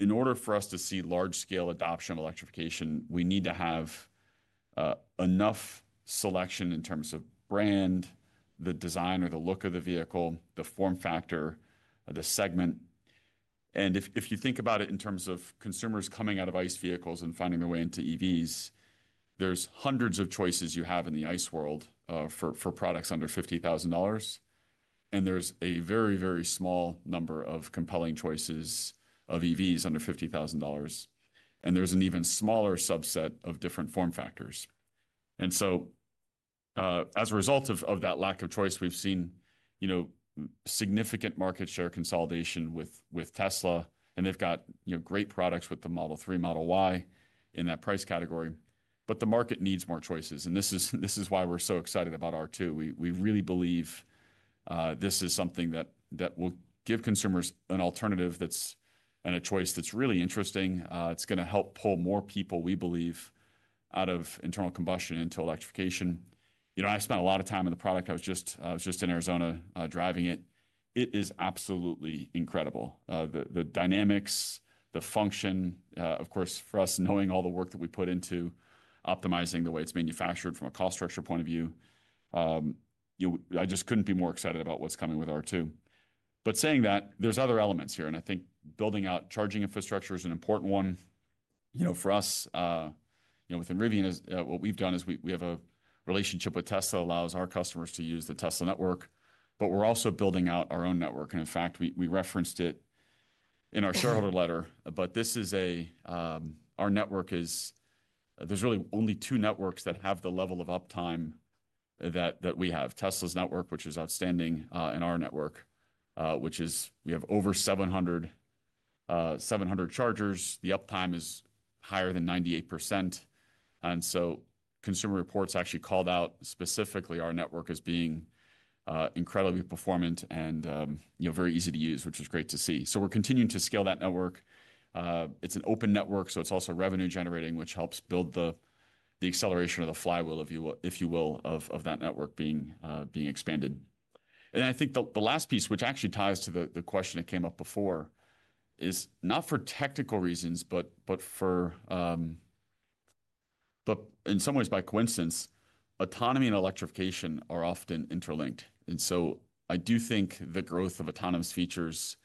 In order for us to see large-scale adoption of electrification, we need to have enough selection in terms of brand, the design or the look of the vehicle, the form factor, the segment. If you think about it in terms of consumers coming out of ICE vehicles and finding their way into EVs, there's hundreds of choices you have in the ICE world for products under $50,000. There is a very, very small number of compelling choices of EVs under $50,000. There is an even smaller subset of different form factors. As a result of that lack of choice, we have seen significant market share consolidation with Tesla. They have great products with the Model 3 and Model Y in that price category. The market needs more choices. This is why we are so excited about R2. We really believe this is something that will give consumers an alternative and a choice that is really interesting. It is going to help pull more people, we believe, out of internal combustion into electrification. I spent a lot of time in the product. I was just in Arizona driving it. It is absolutely incredible. The dynamics, the function, of course, for us, knowing all the work that we put into optimizing the way it's manufactured from a cost structure point of view, I just couldn't be more excited about what's coming with R2. There are other elements here. I think building out charging infrastructure is an important one for us. Within Rivian, what we've done is we have a relationship with Tesla that allows our customers to use the Tesla network. We're also building out our own network. In fact, we referenced it in our shareholder letter. Our network is, there's really only two networks that have the level of uptime that we have. Tesla's network, which is outstanding, and our network, which is, we have over 700 chargers. The uptime is higher than 98%. Consumer Reports actually called out specifically our network as being incredibly performant and very easy to use, which was great to see. We are continuing to scale that network. It is an open network, so it is also revenue-generating, which helps build the acceleration or the flywheel, if you will, of that network being expanded. I think the last piece, which actually ties to the question that came up before, is not for technical reasons, but in some ways, by coincidence, autonomy and electrification are often interlinked. I do think the growth of autonomous features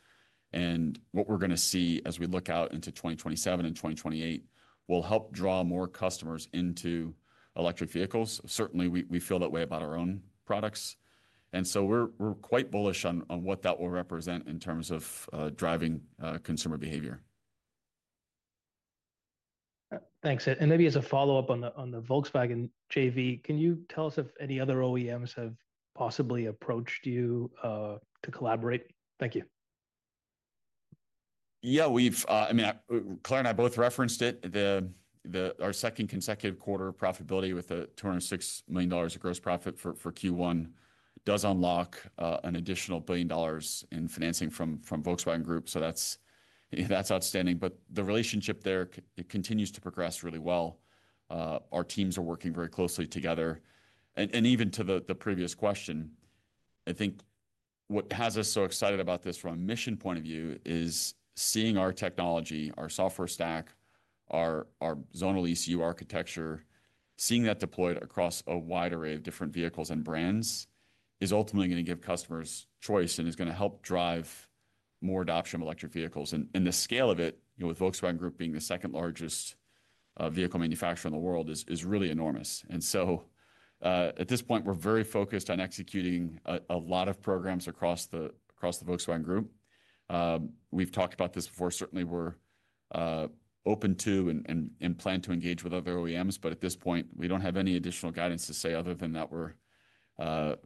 and what we are going to see as we look out into 2027 and 2028 will help draw more customers into electric vehicles. Certainly, we feel that way about our own products. We are quite bullish on what that will represent in terms of driving consumer behavior. Thanks. Maybe as a follow-up on the Volkswagen JV, can you tell us if any other OEMs have possibly approached you to collaborate? Thank you. Yeah. I mean, Claire and I both referenced it. Our second consecutive quarter profitability with $206 million of gross profit for Q1 does unlock an additional $1 billion in financing from Volkswagen Group. That is outstanding. The relationship there, it continues to progress really well. Our teams are working very closely together. Even to the previous question, I think what has us so excited about this from a mission point of view is seeing our technology, our software stack, our zonal ECU architecture, seeing that deployed across a wide array of different vehicles and brands is ultimately going to give customers choice and is going to help drive more adoption of electric vehicles. The scale of it, with Volkswagen Group being the second largest vehicle manufacturer in the world, is really enormous. At this point, we're very focused on executing a lot of programs across the Volkswagen Group. We've talked about this before. Certainly, we're open to and plan to engage with other OEMs. At this point, we don't have any additional guidance to say other than that we're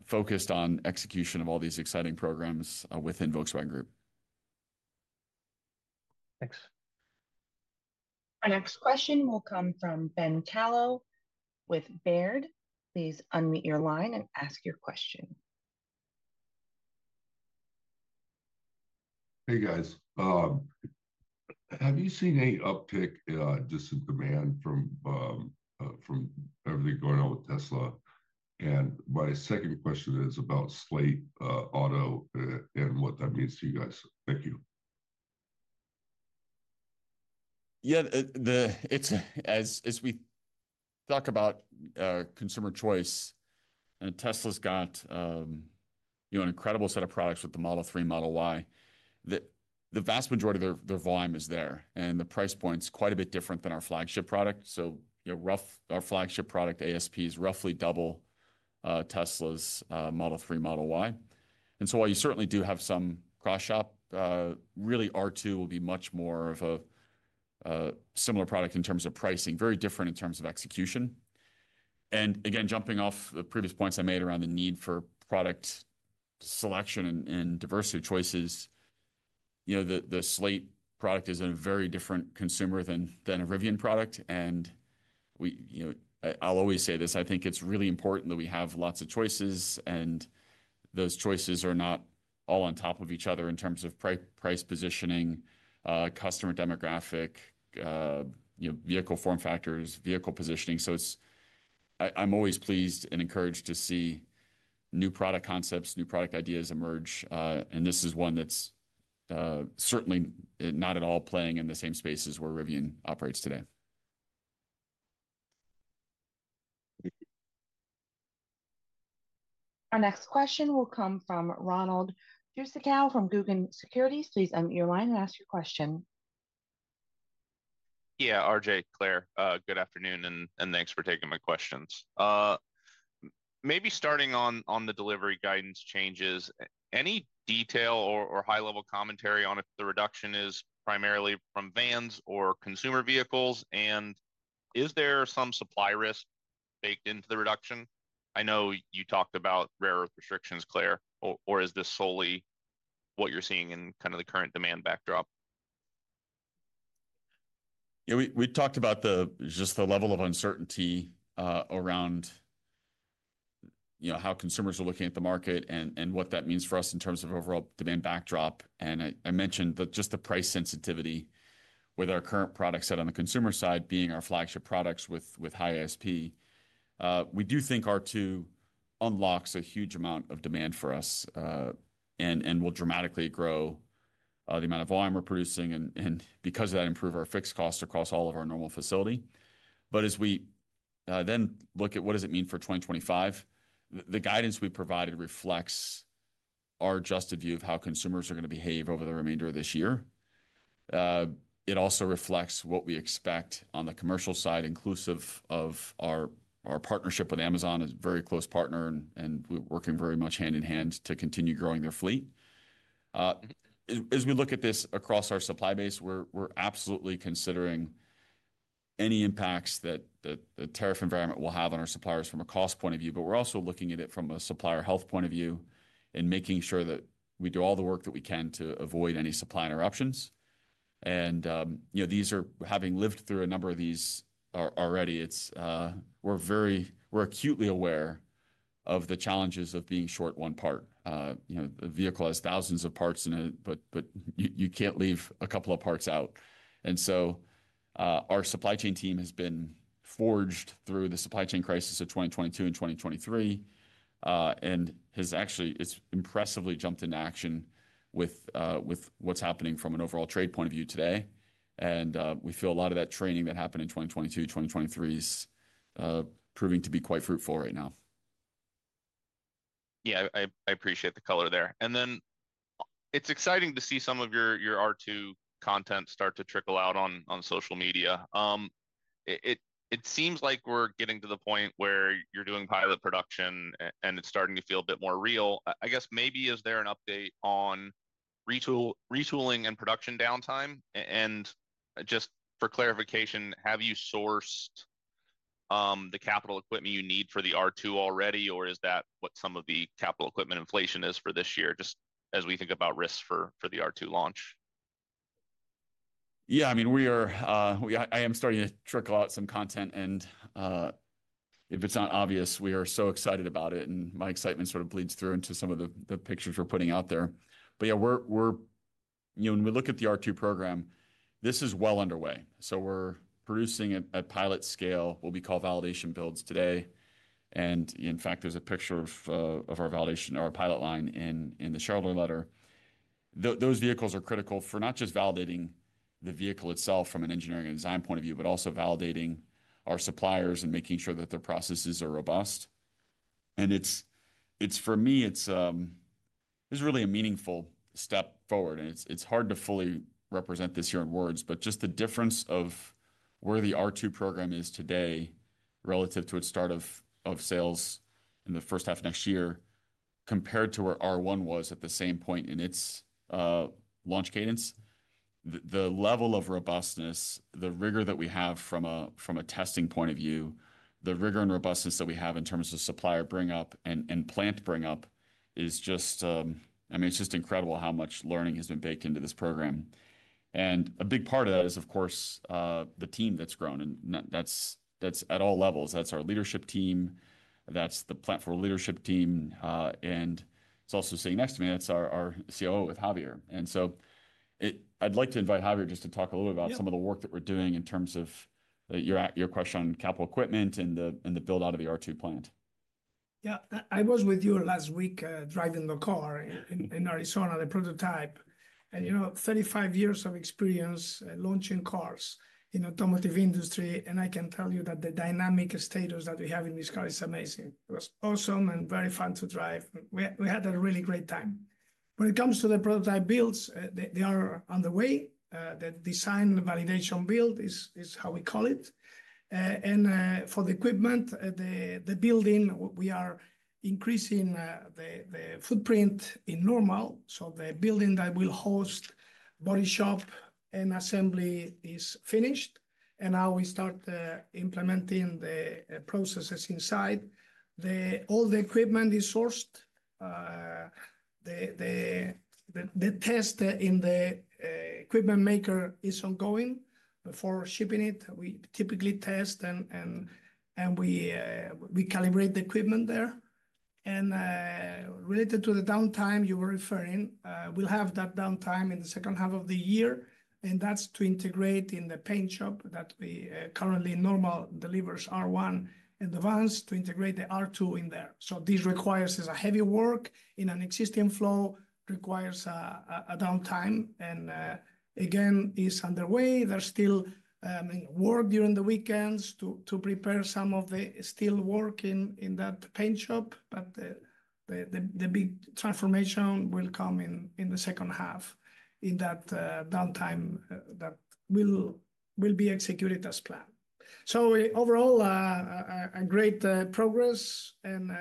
focused on execution of all these exciting programs within Volkswagen Group. Thanks. Our next question will come from Ben Kallo with Baird. Please unmute your line and ask your question. Hey, guys. Have you seen any uptick, just in demand, from everything going on with Tesla? My second question is about Slate Auto and what that means to you guys. Thank you. Yeah. As we talk about consumer choice, Tesla's got an incredible set of products with the Model 3, Model Y. The vast majority of their volume is there. The price point's quite a bit different than our flagship product. Our flagship product, ASP, is roughly double Tesla's Model 3, Model Y. While you certainly do have some cross-shop, really, R2 will be much more of a similar product in terms of pricing, very different in terms of execution. Again, jumping off the previous points I made around the need for product selection and diversity of choices, the Slate product is a very different consumer than a Rivian product. I'll always say this. I think it's really important that we have lots of choices. Those choices are not all on top of each other in terms of price positioning, customer demographic, vehicle form factors, vehicle positioning. I'm always pleased and encouraged to see new product concepts, new product ideas emerge. This is one that's certainly not at all playing in the same spaces where Rivian operates today. Our next question will come from Ronald Jewsikow from Guggenheim Securities. Please unmute your line and ask your question. Yeah. RJ, Claire, good afternoon. Thanks for taking my questions. Maybe starting on the delivery guidance changes, any detail or high-level commentary on if the reduction is primarily from vans or consumer vehicles? Is there some supply risk baked into the reduction? I know you talked about rare earth restrictions, Claire. Is this solely what you're seeing in kind of the current demand backdrop? Yeah. We talked about just the level of uncertainty around how consumers are looking at the market and what that means for us in terms of overall demand backdrop. I mentioned just the price sensitivity with our current product set on the consumer side being our flagship products with high ASP. We do think R2 unlocks a huge amount of demand for us and will dramatically grow the amount of volume we're producing and because of that, improve our fixed costs across all of our Normal facility. As we then look at what does it mean for 2025, the guidance we provided reflects our adjusted view of how consumers are going to behave over the remainder of this year. It also reflects what we expect on the commercial side, inclusive of our partnership with Amazon, a very close partner, and working very much hand in hand to continue growing their fleet. As we look at this across our supply base, we're absolutely considering any impacts that the tariff environment will have on our suppliers from a cost point of view. We're also looking at it from a supplier health point of view and making sure that we do all the work that we can to avoid any supply interruptions. Having lived through a number of these already, we're acutely aware of the challenges of being short one part. A vehicle has thousands of parts, but you can't leave a couple of parts out. Our supply chain team has been forged through the supply chain crisis of 2022 and 2023 and has actually impressively jumped into action with what is happening from an overall trade point of view today. We feel a lot of that training that happened in 2022, 2023 is proving to be quite fruitful right now. Yeah. I appreciate the color there. It's exciting to see some of your R2 content start to trickle out on social media. It seems like we're getting to the point where you're doing pilot production, and it's starting to feel a bit more real. I guess maybe is there an update on retooling and production downtime? Just for clarification, have you sourced the capital equipment you need for the R2 already, or is that what some of the capital equipment inflation is for this year, just as we think about risks for the R2 launch? Yeah. I mean, I am starting to trickle out some content. If it's not obvious, we are so excited about it. My excitement sort of bleeds through into some of the pictures we're putting out there. Yeah, when we look at the R2 program, this is well underway. We are producing it at pilot scale. We call them validation builds today. In fact, there's a picture of our pilot line in the shareholder letter. Those vehicles are critical for not just validating the vehicle itself from an engineering and design point of view, but also validating our suppliers and making sure that their processes are robust. For me, it's really a meaningful step forward. It's hard to fully represent this here in words, but just the difference of where the R2 program is today relative to its start of sales in the first half of next year compared to where R1 was at the same point in its launch cadence, the level of robustness, the rigor that we have from a testing point of view, the rigor and robustness that we have in terms of supplier bring-up and plant bring-up is just, I mean, it's just incredible how much learning has been baked into this program. A big part of that is, of course, the team that's grown. That's at all levels. That's our leadership team. That's the plant for leadership team. It's also sitting next to me. That's our COO with Javier. I would like to invite Javier just to talk a little bit about some of the work that we're doing in terms of your question on capital equipment and the build-out of the R2 plant. Yeah. I was with you last week driving the car in Arizona, the prototype. And 35 years of experience launching cars in the automotive industry. I can tell you that the dynamic status that we have in this car is amazing. It was awesome and very fun to drive. We had a really great time. When it comes to the prototype builds, they are underway. The design validation build is how we call it. For the equipment, the building, we are increasing the footprint in Normal. The building that will host body shop and assembly is finished. Now we start implementing the processes inside. All the equipment is sourced. The test in the equipment maker is ongoing. For shipping it, we typically test and we calibrate the equipment there. Related to the downtime you were referring, we'll have that downtime in the second half of the year. That is to integrate in the paint shop that we currently in Normal delivers R1 and the vans to integrate the R2 in there. This requires a heavy work in an existing flow, requires a downtime. It is underway. There is still work during the weekends to prepare some of the steel work in that paint shop. The big transformation will come in the second half in that downtime that will be executed as planned. Overall, great progress and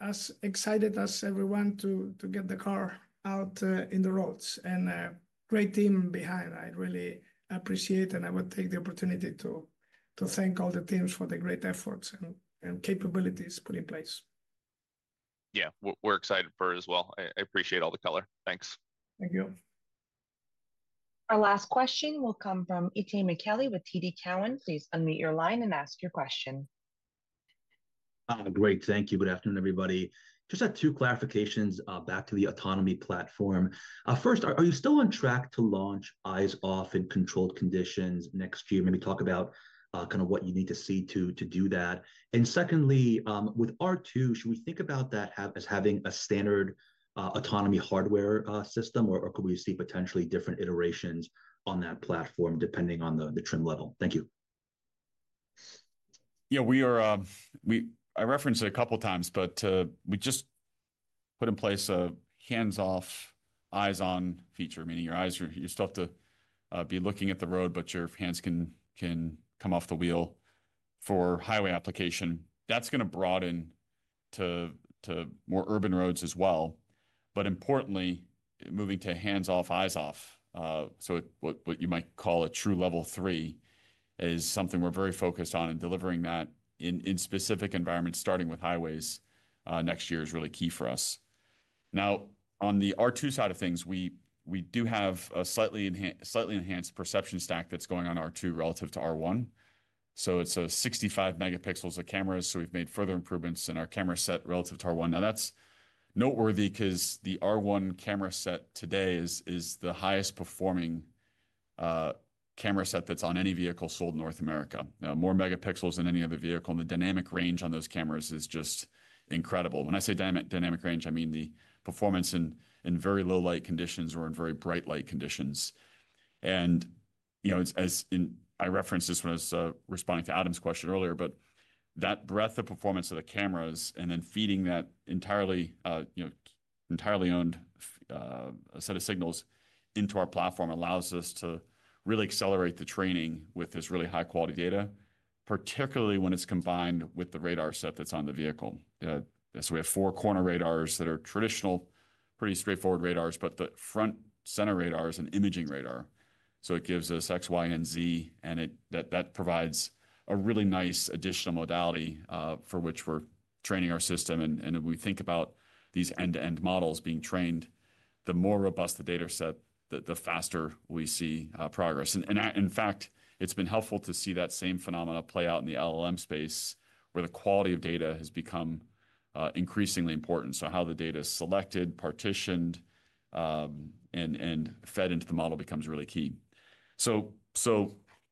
as excited as everyone to get the car out in the roads. Great team behind. I really appreciate it. I would take the opportunity to thank all the teams for the great efforts and capabilities put in place. Yeah. We're excited for it as well. I appreciate all the color. Thanks. Thank you. Our last question will come from Itay Michaeli with TD Cowen. Please unmute your line and ask your question. Great. Thank you. Good afternoon, everybody. Just had two clarifications back to the autonomy platform. First, are you still on track to launch eyes-off in controlled conditions next year? Maybe talk about kind of what you need to see to do that. Secondly, with R2, should we think about that as having a standard autonomy hardware system, or could we see potentially different iterations on that platform depending on the trim level? Thank you. Yeah. I referenced it a couple of times, but we just put in place a hands-off eyes-on feature, meaning your eyes, you still have to be looking at the road, but your hands can come off the wheel for highway application. That is going to broaden to more urban roads as well. Importantly, moving to hands-off eyes-off, so what you might call a true level three, is something we are very focused on. Delivering that in specific environments, starting with highways next year, is really key for us. Now, on the R2 side of things, we do have a slightly enhanced perception stack that is going on R2 relative to R1. It is 65 megapixels of cameras. We have made further improvements in our camera set relative to R1. Now, that's noteworthy because the R1 camera set today is the highest performing camera set that's on any vehicle sold in North America. Now, more megapixels than any other vehicle. The dynamic range on those cameras is just incredible. When I say dynamic range, I mean the performance in very low light conditions or in very bright light conditions. I referenced this when I was responding to Adam's question earlier, but that breadth of performance of the cameras and then feeding that entirely owned set of signals into our platform allows us to really accelerate the training with this really high-quality data, particularly when it's combined with the radar set that's on the vehicle. We have four corner radars that are traditional, pretty straightforward radars, but the front center radar is an imaging radar. It gives us X, Y, and Z. That provides a really nice additional modality for which we're training our system. We think about these end-to-end models being trained. The more robust the data set, the faster we see progress. In fact, it's been helpful to see that same phenomenon play out in the LLM space where the quality of data has become increasingly important. How the data is selected, partitioned, and fed into the model becomes really key.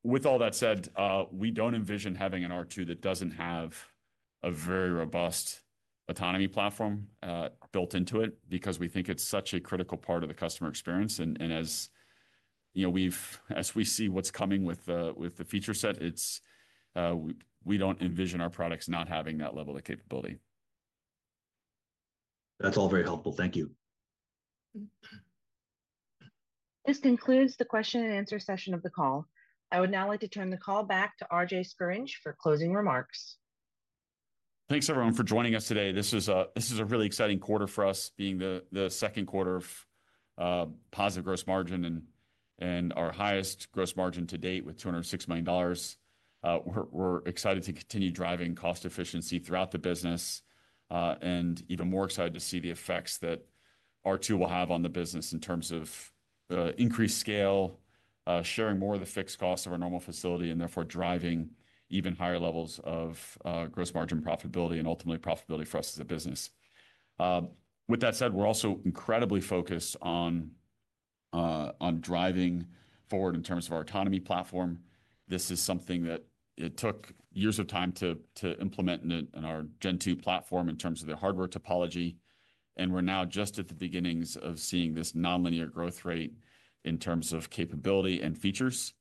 With all that said, we don't envision having an R2 that doesn't have a very robust autonomy platform built into it because we think it's such a critical part of the customer experience. As we see what's coming with the feature set, we don't envision our products not having that level of capability. That's all very helpful. Thank you. This concludes the question and answer session of the call. I would now like to turn the call back to RJ Scaringe for closing remarks. Thanks, everyone, for joining us today. This is a really exciting quarter for us, being the second quarter of positive gross margin and our highest gross margin to date with $206 million. We're excited to continue driving cost efficiency throughout the business and even more excited to see the effects that R2 will have on the business in terms of increased scale, sharing more of the fixed costs of our Normal facility, and therefore driving even higher levels of gross margin profitability and ultimately profitability for us as a business. With that said, we're also incredibly focused on driving forward in terms of our autonomy platform. This is something that it took years of time to implement in our Gen 2 platform in terms of the hardware topology. We're now just at the beginnings of seeing this non-linear growth rate in terms of capability and features.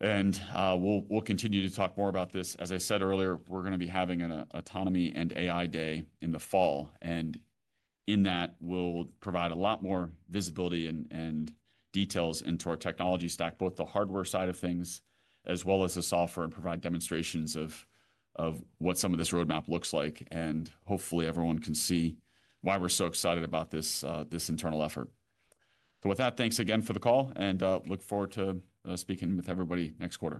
We will continue to talk more about this. As I said earlier, we are going to be having an autonomy and AI day in the fall. In that, we will provide a lot more visibility and details into our technology stack, both the hardware side of things as well as the software, and provide demonstrations of what some of this roadmap looks like. Hopefully, everyone can see why we are so excited about this internal effort. With that, thanks again for the call. I look forward to speaking with everybody next quarter.